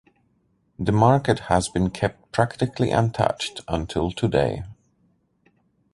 The market has been kept practically untouched until today.